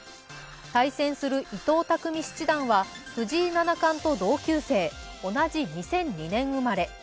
対戦する伊藤匠七段は藤井七冠と同級生同じ２００２年生まれ。